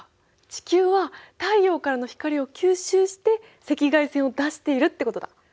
地球は太陽からの光を吸収して赤外線を出しているってことだ！